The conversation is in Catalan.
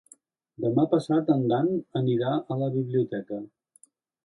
Demà passat en Dan anirà a la biblioteca.